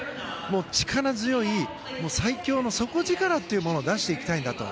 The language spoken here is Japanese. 力強い最強の底力というものを出していきたいんだと。